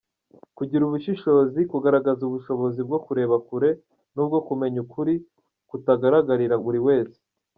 Kugira ubushishozi- Kugaragaza ubushobozi bwo kureba kure n’ubwo kumenya ukuri kutagaragarira buri wese.